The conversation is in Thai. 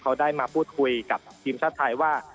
เขาได้มาพูดคุยกับทีมชาติไทยว่า